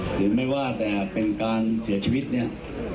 หรือไม่ว่าแต่เป็นการเสียชีวิตเนี่ย